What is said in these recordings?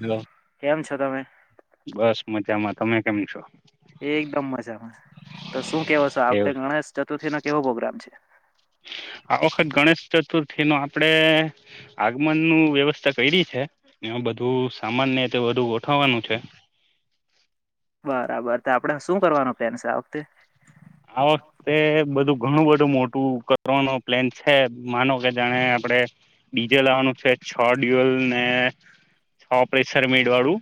Hello કેમ છો તમે? બસ મજામાં. તમે કેમ છો? એકદમ મજામાં. તો શું કેવો છો આ વખતે એવું ગણેશ ચતુર્થીનો કેવો પ્રોગ્રામ છે [inaudible] આ વખત ગણેશ ચતુર્થીનું આપડે આગમનનું વ્યવસ્થા કયરી છે. બધું સામાનને તે વધુ ગોઠવવાનું છે. બરાબર, તો આપડે શું કરવાનો પ્લાન છે આ વખતે. આ વખતે બધું ઘણું બધું મો ટુ કટવાનો પ્લેન છે માનો કે જાણે આપડે ડીજે લાવવાનું છે છ દિવસ ને છ પ્રેસર મેડવાળું.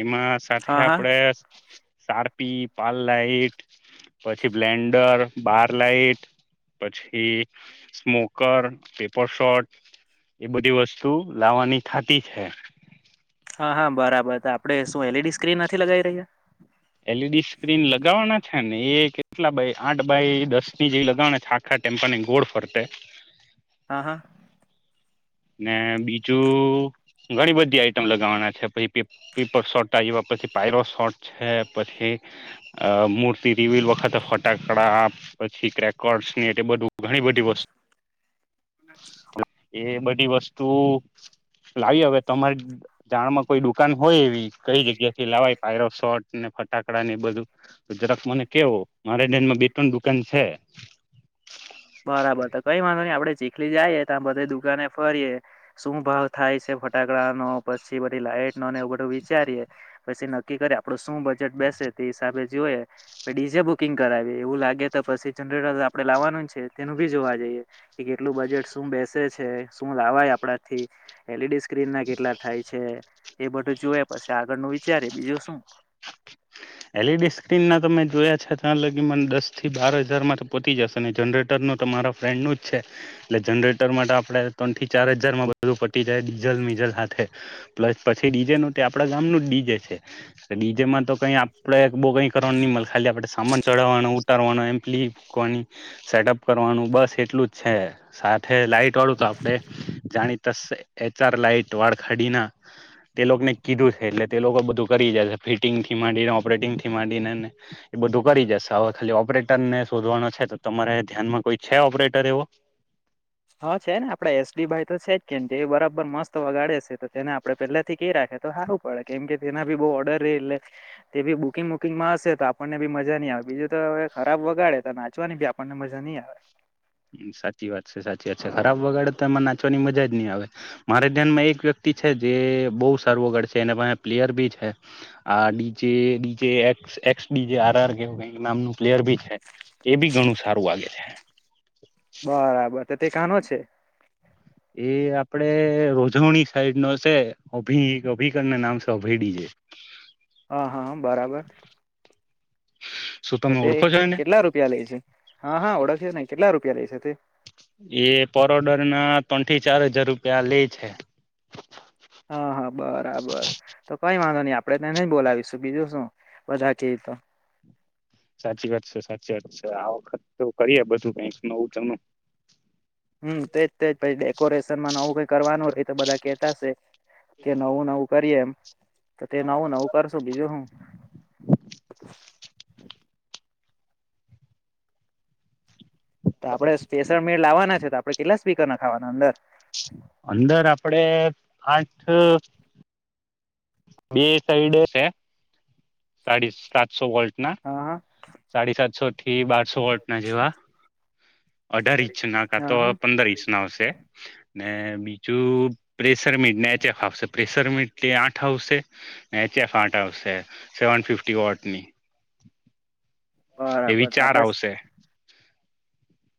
એમાં સાથે હા હા આપડે સારપી, પાલ લાઈટ પછી બ્લેન્ડર, બાર લાઈટ પછી સ્મોકર, પેપર શોટ. એ બધી વસ્તુ લાવવાની થાતી છે. હા હા, બરાબર આપડે શું એલઈડી સ્ક્રીન નથી લગાય રહ્યા? એલઈડી સ્ક્રીન લગાવાના છેને એ કેટલા બાય આઠ બાય દસની જેવી લગાવાના છે આખા ટેમ્પાની ગોળ ફરતે. હા હા. ને બીજું ઘણી બધી આઈટમ લગાવાના છે પહી પેપર સોટા જેવા પછી પાયરો શોટ છે પછી અ મૂર્તિ રિવિલ વખતે ફટાકડા પછી ક્રેકોર્ડસની એતે બધું ઘણી બધી વસ્તુ [inaudible] એ બ વસ્તુઓ લાવીએ હવે તમારી જાણમાં કોઈ દુકાન હોય એવી કઈ જગ્યાથી લાવાય પાયરોશૉટ ને ફટાકડાને એ બધું જરાક મને કેવો મારે ઘ્યાનમાં બે ત્રણ દુકાન છે. બરાબર તો કઈ વાંધોની આપડે ચી ખલી જાઈએ તા બધે દુકાને ફરીએ શું ભાવ થાય છે ફટાકડાનો પછી બધી લાઈટ લૉન એવું બધું વિચારીએ પછી નક્કી કરીએ આપડું શું બજેટ બેસે તે હિસાબે જોયે ડી જે બુકિંગ કરાવયે એવું લાગે તો પછી જનરેટર આપડે લાવવાનું જ છે. તેનું બી જોવા જઈએ કે કેટલું બજેટ, શું બેસે છે, શું લાવાય આપરાથી એલઈડી સ્ક્રીનના કેટલા થાય છે એ બધું જોયે પછી આગળનું વિચારે બીજું શુ [inaudible] એલઈડી સ્ક્રીનના તો મે જોયા છે તા લગીન દસથી બાર હજારમાં તો પતી જશે ને જનરેટર તમારા ફ્રેન્ડનું જ છે એટલે જનરેટર માટે આપરે ત્રણ થી ચાર હજારમાં બધું પટી જાય ડીઝલ ડીઝલ હાથે, પ્લસ પછી ડીજેનુ તે આપડા ગામનું જ ડીજે છે ડીજેમાં તો કઈ આ આપરે બો કઈ કરવાનું ની મલે ખાલી આપડે સામાન ચડાવાનું, ઉતારવાનું એમ પ્લી મૂકવાની સેટઅપ કર કરવાનું બસ એટલું જ છે સાત લાઈટ વાળું તો આપડે જાણીતા સે એચઆર લાઈટ વાળખાડીના તે લોકને કીધું છે એટલે તે લોકો બધું કરી જાય છે ફિટિંગથી માંડીને, ઓપરેટિંગથી માંડીને ને એ બધું કરી જશે હવે ખાલી ઓપરેટરને શોધવાનો છે તો તમારે ધ્યાનમાં કોઈ છે ઓપરેટર એવો? હા, છેને આપડા એસબી ભાઈતો છેજ કેની. જે બરાબર મસ્ત વગાડે છે તો તેને આપણે પેહલાથી કેય રાખે તો હારું પડે કેમકે તેનાં બી બો ઓર્ડર રેય એ તેબી બુકિંગ વુકિંગમાં હશે તો આપણને બી મ મજાની આવતી બીજુંતો હવે ખરાબ વગાડે તો નાચવાની બી આપણને મજાની આવે. સાચી વાત છે, સાચી વાત છે, ખરાબ વગાડે તો એમાં નાચવાની મજા જ ની આવે મારે ધ્યાનમાં એક વ્ય છે જે બો સારું વગાળે છે એના પાહે પ્લેયર બી છે આ ડીજે ડીજે એ એક્સ ડીજે આર આર [unintelligible] નામનું પ્લેયર બી છે એબી ઘણું સારું વાગે છે. બરાબર, તો તે કાનો છે? એ આપડે રોજોણી સાઈડ નો છે અભ અભિકર ના નામ છે અભયડી જે હા હા બરાબર શું તો તમે તે ઓળખો છો એને કેટલા રૂપિયા લે છે હા હા ઓળખશે ને કેટલા રૂપિયા લે છે તે એ પર ઓડર ના ત્રણ થી ચાર હજાર રૂપિયા લે છે. હા હા બરાબર તો કઈ વાંધો આપડે તને ન બોલાવીશું બીજું શું બધા તો સાચી વાત છે સાચી વાત છે આ વખત તો કરીએ બધું કઈક નવુંચનું હમ્મ તેજ તે પ ડેકોરેશનમાં નવું કઈ કરવાનું રય તો બધા કેતાશે કે નવું નવું કરીયએ એમ તો તે નવું નવું કરશું બીજું હું. તો આપડણે સ્પેશલ મિડ લવાના છે તો આપડણે કેટલા સ્પીકના ખાવાના અંદર અંદર આપડે આઠ બે સાઈડે સાડી સાતસો વોલ્ટ ના હા હા સાડી સાતસો થી બાર સોળ ના જેવા અઢાર ઇંચ ના કા હા તો હા પંદર ઇંચ ના આવશે. ને બીજું પ્રેશર મીટ ને એચ એફ આવશે પ્રેશર મીટ આઠ આવશે. એચ એફ આટ હાઉ છે સેવન ફિફ્ટી વોટ ની. બરાબર એવી તો ચાર આપડે આવશે.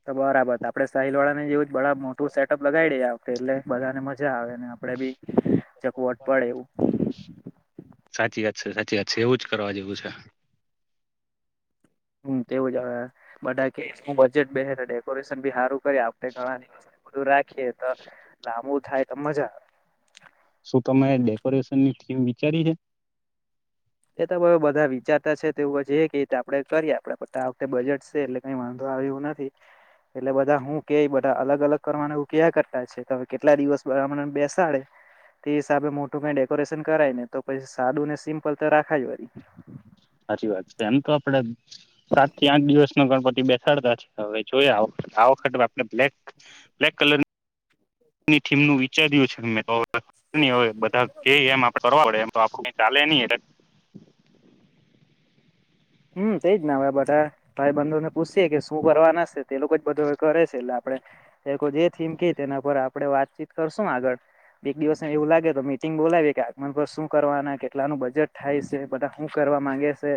તો બરાબર આપડે સાહલ વાળા ને જેવું જ બધા મોટું સેટઅપ લગાવી દે એટલે બધાને મજા આવે ને આપડે બી ચકવટ પડે એવું. સાચી વાત છે સાચી વાત છે એવું જ કરવા જેવું છે. હમ્મ તેવું જ બધા કે હું બજેટ બે ડેકોરેશન બી સારું કરી આપણે ગણા બધું રાખીએ તો લાંબુ થાય તો મજા આવે શું તમે ડેકોરેશનની થીમ વિચારી છે? એ તો હ બધા વિચારતા છે તોવું છે કે આપડે કરીએ આપડે આ વખતે બજેટ છે એટલે કઈ વાંધો નહી એવું નથી. એટલે બધા હું કે બધા અલગ અલગ કરવાના હું ક કરતા છે તો કેટલા દિવસ મને બેસાડે તે હિસાબે મોટું કઈ ડેકોરેશન કરાય ને તો પછ સાદું ને સિમ્પલ તો રાખાય જ વારી સાચી વાત છે એમ તો આપડે સાત થી આઠ દિવસ નો ગણપતિ બેસાડતા છે હવે જોયા આ વખતે આપણે બ્લેક બ્લેક કલર ની થીમ ની વિચાર્યું છે મેતો બધા એમ આપડે કરવા પડે એમ આપ ચાલે નહી એટ હમ તેજ ના બધા ભાઈબંધુને પૂછીએ કે શું શું કરવા નાશે તે લોકો જ બધો કરે છે એટલે આપડે એ લોકો જે થીમ કેય તેના પર આપડે વાતચીત કર શું આગળ એક દિવસ ને એવું લાગે તો મીટિંગ બોલાવી કે આગમન પર શું કરવાના કેટલાનું બજેટ થાય છે બધા શું કર કરવા માંગે છે.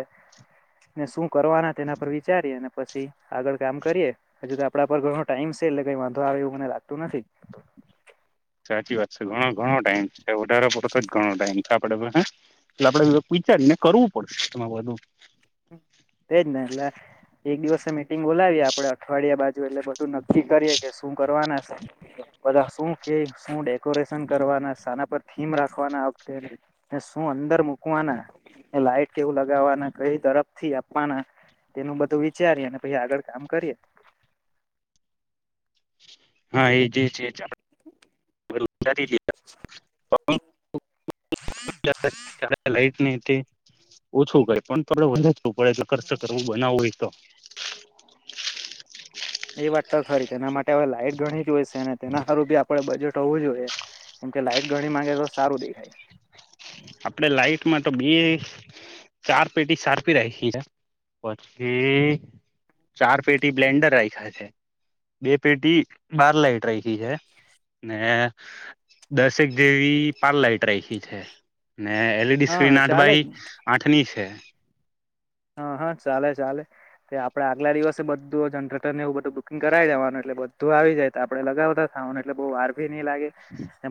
ને શું કરવાના તેના પર વિચારીએ અને પછી આગળ કામ કરીએે હજુ તો આપડા પર ઘણો ટાઈમ છે એટલે કઈ વાંધો એવું મને લાગતું નથી. સાચી વાત છે ઘણો ઘણો ટાઈમ છે વધારો પડતો જ ઘણો ટાઈમ આપડે પાહે એટલે આપડે થોડુક વિચારીને કરવું પડશે તમા બધું તેજ ને એટલે એક દિવસે મીટિંગ બોલાવી આપડે અઠવાડિયા બાજુ એટલે બધું નક્કી કરીએ કે શું કરવાના બધા શું કે શું ડેકોરેશન કરવાના પર થીમ રાખવાના શું અંદર મુકવાના લાઈટ કેવું લગાવવાના કઈ તરફથી ખવાના તેનું બધું વિચારીએ અને પછી આગળ કામ કરીએ હા એ જે છે આપ [unintelligible] ઓછું કરાય પણ થોડુ વધારે જું પડે એટલે કરચ કરવું બનાવવુંય તો [inaudible] એ વાત તો ખરી તેના માટે હવે લાઈટ ઘણી જ જોઈ છે ને તેના હું બી આપડે બજેટ હોવું જોઈએ કેમ કે લાઈટ ઘણી માંગે તો સારું દેખાય આપડે લાઈટમાં તો બી ચાર પેટી સારપી રાયખી છે પછી ચાર પેટી બ્લેન્ડર રાખ્યા છે બે પેટી બાર લાઇટ રાયખી છે. ને દસેક જેવી પાર લાઇટ રાયખી છે. ને એલઈડી હા સ્ક્રીન આઠ ચાલે બાય જ આઠની છે. હા હા ચાલે ચાલે કે આપડે આગલા દિવસે બધું જનરેટરને એવું બધું બુકિંગ કરાવી દેવાનું એટલે બધું આવી જાય તો આપણે લગાવતા એટલે બહુ વાર ભી નહી લાગે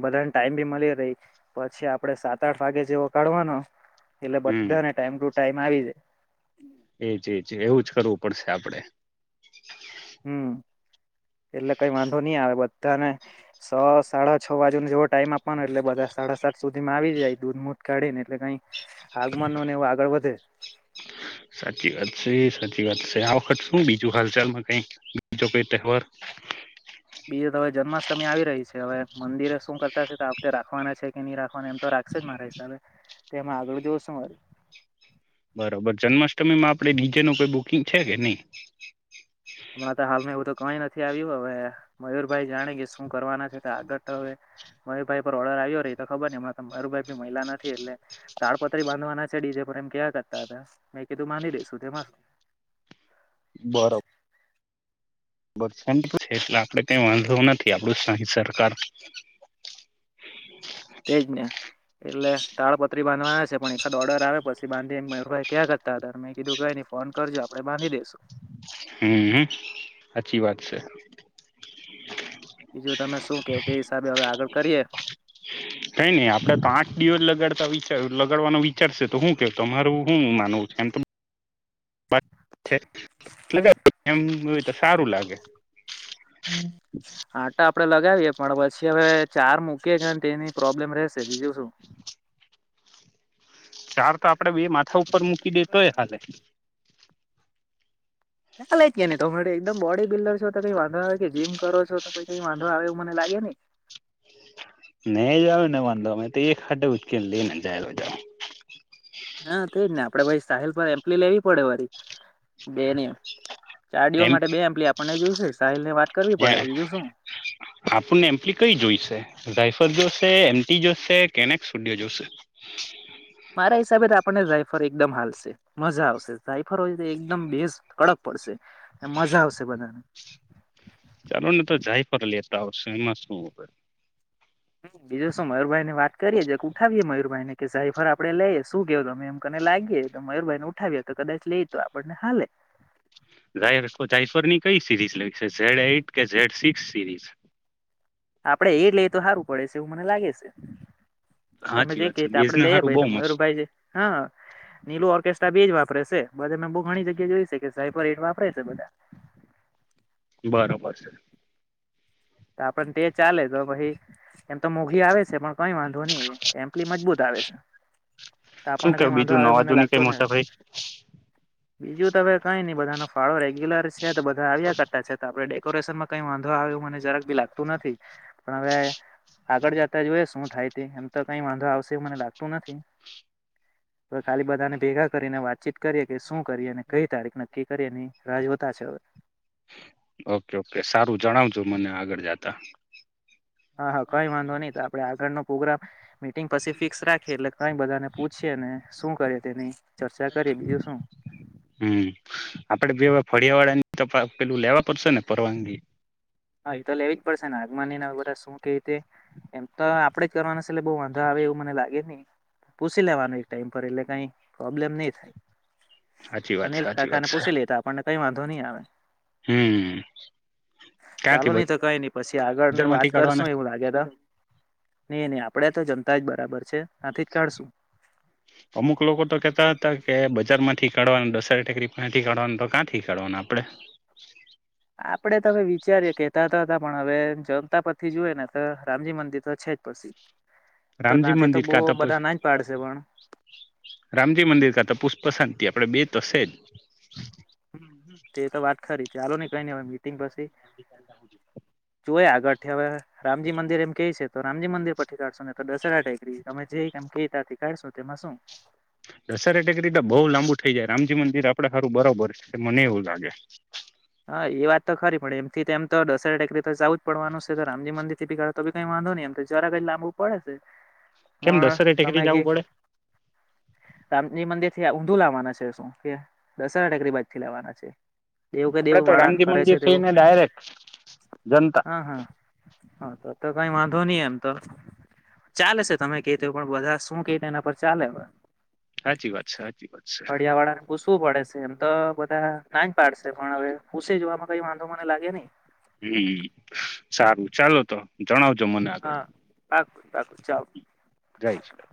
બધાને ટાઈમ બી મળી રહી પછી આપડે સાત આઠ વાગે જેવો પકડવાનો એટલે હમ બધાને ટાઈમ ટુ ટાઈમ આવી જાય એજ એજ એવું જ કરવું પડશે આપડે હમ એટલે કઈ વાંધો નહી આવે બધ બધાને છ સાડા છ બાજુ નો જેવો ટાઈમ આપવાનો એટલે બધા સાડા સાત સુધીમાં આવી જાય દૂધ મુધ કાઢી ને એટલે કઈ આગમન નોને એવું આગળ વધે સાચી વાત છે સાચી વાત છે આ વખત શું બીજું હાલચાલમાં કઈ બીજો કઈ તહેવાર [inaudible] બીજી તો હવે જન્માષ્ટમી આવી રહી છે હવે મંદિરે શું કરતા છે તો આપણે રાખવાના છે કે નહી રાખ વાના એમ તો રાખશે જ મારા હિસાબે તેમાં આગળ જોશુ વરી બરોબર જન્માષ્ટમીમાં આપે ડીજેનુ કોઈ બુકિંગ છે કે ની હમણાં તો હાલમાં એવું તો કઈ નથી આવ્યું હવે મયુરભાઈ જાણે કે શું કરવાના છે તો આગળ હવે માયુર ભાઈ પર ઓર્ડર આવ્યો રેય તો ખબર ને માયુર ભાઈ મયલા નથી એટલે તાડપત્રી બાંધવા ના છે ડીજે પર એમ કેયા કરતા હતા મેં કેધુ બાધી દઈસુ તે મા શું [inaudible] બરો બર છે એટલે આપડે કંઈ વાંધો નથી આપણું સાહી સરકાર [inaudible] તેજ ને એટલે તાળપત્રી બાંધવાના છે પણ ઓર્ડર આવે પછી બાંધી મયુરભાઈ ક્યા કરતા હતા મેં કીધું કયની ફોન કરજો આપડે બાંધી દેસુ હમ સાચી વાત છે. બીજું તમે શું કેવ તે હિસાબે હવે આગળ કરીએ કઈ નઈ આપડે તો આંઠ દિવર લગાડ તો વિ લગાડવાનો વિચારશે તો શું કેવ તમારું શું માનવું છે એમ એમ તો સારું લાગે આટા આપડે લગાવીએ પણ પછી હવે ચાર મૂકીએ કે તેની પ્રોબ્લેમ ર ચલીજ છું [inaudible] ચાર તો આપડે બે માથા ઉપર મૂકી દેતોય હાલે લ એકમ બોડી બિલ્ડર છો તો કઈ વાો આવે કે જીમ કરો છો તો કઈ વાંધો આવે મને એને નહી જાવ ને વાંધો અમે તો એક ખાે ઉચકેને લઈને જાય જા હા થજ ને આપડે ભાઈ સાહલ પર એમ્પલી લેવી પડે વારી બે નમ ચાર ડડીઓલ એમ માટે બે એમ્પલી આપણને જોઈશે સાહિલ ને વાત કરવી પડે બીજું શું આપણને એમ્પ્લી કઈ જોઈશે રાય જોશે એમ જોશે કેનેક સૂડ્ય જોશે મારા હિસાબે આપણને જાય સાફર એકદમ હાલશે મજા આવશે સાઈફર હોય તો એકદમ બેસ કડક પડશે મજા આવશે બધાને ચાલો ને તો જાય ફ લે એટલા વર્ષ એમાં શું હ બીજું શું મયુરભાઈ ને વાત કરીએે એક ઉઠાવીએે મયુરભાઈ ને કે સાઈ ફર આપડે લઈએ શું કેવ તમે એમ કને લાગીએ તો મયુરભાઈ ને ઉઠાવી તો કદાચ લઈએ તો આપણને હાલે જાય જાયસવર ની કઈ સીરીઝ લે ઝેડ એઈટ કે ઝેડ સિક્સ સિરીઝ આપડે એ લઈ તો સારું પડે છે એવું મને લાગે છે તોમે સાચી જે વાત કે છે આપડે બેઝને લઈએ સારું ભી બહુ તો મસ્ત મયુરભાઈ છે હા નીલો ઓર્કેસ્ટ્રા બીજ વાપરે છે બધા મેં બહું ઘણી જગ્યા જોઈ છે કે સાયબર હેટ વાપરે છે બધા બરોબર છે તો આપણ તે ચાલે તો પછી એમ તો મોંઘી આવે છે પણ કઈ વાંધો નહી એમલી મજબૂત આવે છે તો શું આપણને કે કઈ વાંધો બીજું આવે નવા મને જૂની લાગતો કઈ ને મોટા ભાઈ બીજું તો હવે કઈ નહી બધાનો ફાળો રેગ્યુલર છે તો બધા આવ્યા કરતા છે તો આપણે ડેકોરેશન માં કઈ વાંધો મને જરાક ભી લાગતું નથી પણ હવે આગળ જતા જોય શું થાય ત એમ તો કઈ વાંધો આવશે મને લાગતું નથી [unintelligible] [inaudible] હવે ખાલી બધાને ભેગા કરીને વાતચીત કરીએ કે શું કરીએ અને કઈ તારીખ નક્કી કરીએની રાહ જોતા છે હવે ઓકે ઓકે સારું જણાવજો મને આગળ જતા હા હા કઈ વાંધો નહી આપડે આગળનો પ્રોગ્રામ મીટિંગ પછી ફિક્સ રાખીએ એટલે કઈ બધાને પૂછીયે ને શું કરે તેની ચર્ચા કરીએ બીજું શું હમ આપડે બે વત ફળિયા વાળા ની તો પેલું લેવા પડશે ને પરવાનગી હા એ તો લેવી જ પડશે ને આગમાન બધા શું કે રીતે એમ તો આપડે જ કરવાના છે એટલે બઉ વાંધા આવે એવું મને લાગે ની પૂછી લેવાનું એક ટાઈમ એટલે કાય પ્રોબ્લેમ નહી થાય સાચી વાત અનિલ સાચી વાત કાકાને છે પૂછી લેતા આપણને કઈ વાંધો નહી આવે હમ ચાલો ક્યાંથી નઈ તો કઈ નઈ પછી આગળ બજાર ની વાત માંથી કાઢવાના કરશું એવું લાગે તો એ નહી આપડે તો જનતા જ બરાબર છે આથી જ કાઢશું અમુક લોકો તો કેતા હતા કે બજાર માંથી કાઢવાનું દસરી ટેકરીથી કાઢવાનું ક્યાંથી કરવાવાનું આપડે આપડે તો હવે વિચારીએે કેતા હતા હતા પણ હવે જનતા પછથી જોયએ ને તો રામજી મંદિર તો છે જ પછી રામજી તથી તો મંદિર બહુ કા બધા ના જ પાડશે પણ રામજી મંદિર ખાતા પુષ્પ શાંતિ આપડે બે તોશે જ તે તો વાત ખરી ચાલો નની કઈ ન હવે મીટિંગ પછી જોય આગળથી હવે રામજી મંદિર એમ કે છે તો રામજી મંદિર પરથી કાઢશો ને તો દશેરા ટેગરી તમે જે કે ત કાઢશો તેમાં શું દશેરે ટેકરી તો બહુ લાંબુ થઈ જાય રામજી મંદિર આપડે ખારું બરોબર છે મને એવું લાગે હા એ વાત તો ખરી પડે એમથી એમ તો દસરા ટેકરી તો જવું જ પડવાનું છે તો રામજી મંદિરથી‌ ભી કાડે વાંધો નહી એમ જરા કજ લાંબુ પડે છે. કેમ પણ દશેરે તમે ટેકરી જવું કે પડે રામજી મંદિર ઊંધું લાવવાના છે શું કે દસરા ટેકરી બાજથી લાવવાના છે. દેવું કે આપડે દેવું તો વાળા રામજી કરે છે મંદિર તેવું થઈને ડાયરેક્ટ જનતા હા હા તો તો કઈ વાંધો ની એમ તો ચાલે છે તમે કે તો પણ બધા શું કેય તેના પર ચાલે હવે સાાચી વાત છે સાાચી વાત છે. પૂસવું પડે છે એમ તો બધા ના જ પાડશે પણ હવે પૂસે જોવામાં કઈ વાંધો મને લાગે નહી. હમ સારું ચાલો તો જણાવજો મને આગળ હા પાકું પાકું ચાલ જાય છે.